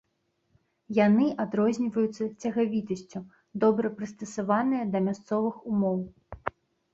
Яны адрозніваюцца цягавітасцю, добра прыстасаваныя да мясцовых умоў.